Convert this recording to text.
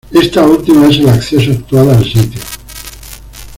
Esta última es el acceso actual al sitio.